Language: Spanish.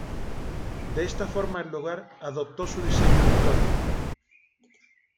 De esta forma el lugar adoptó su diseño actual.